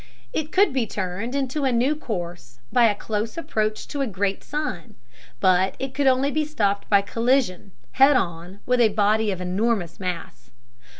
It could be turned into a new course by a close approach to a great sun, but it could only be stopped by collision, head on, with a body of enormous mass.